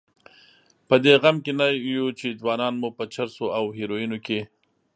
په دې غم کې نه یو چې ځوانان مو په چرسو او هیرویینو کې.